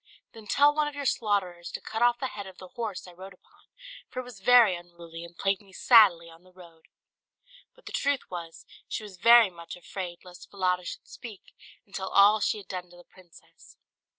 "Then tell one of your slaughterers to cut off the head of the horse I rode upon, for it was very unruly, and plagued me sadly on the road." But the truth was, she was very much afraid lest Falada should speak, and tell all she had done to the princess.